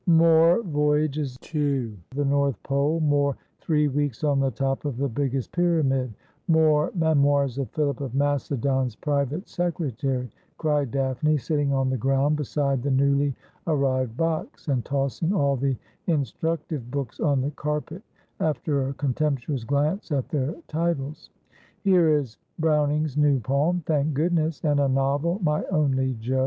'More " Voyages to the North Pole" ; more " Three Weeks on the Top of the Biggest Pyramid" ; more "Memoirs of Philip of Macadoa's Private Secretary," ' cried Daphne, sitting on the ground beside the newly arrived box, and tossing all the in structive books on the carpet, after a contemptuous glance at their titles. ' Here is Browning's new poem, thank goodneas ! and a novel, " My Only Jo."